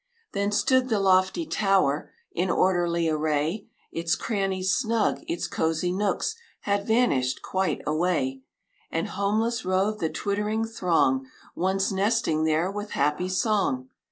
Then stood the lofty tower In orderly array; Its crannies snug, its cosey nooks, Had vanished quite away; And homeless roved the twittering throng Once nesting there with happy song.